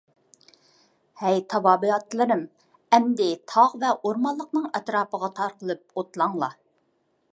ھەي تاۋابىئاتلىرىم! ئەمدى تاغ ۋە ئورمانلىقنىڭ ئەتراپىغا تارقىلىپ ئوتلاڭلار.